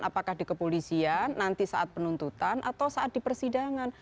apakah di kepolisian nanti saat penuntutan atau saat di persidangan